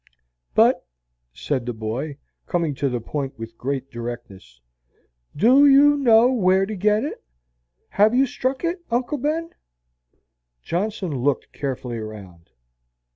"But," said the boy, coming to the point with great directness, "DO you know where to get it? have you struck it, Uncle Ben?" Johnson looked carefully around.